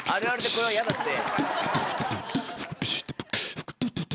これは嫌だって。